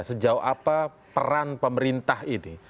sejauh apa peran pemerintah ini